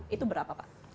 itu berapa pak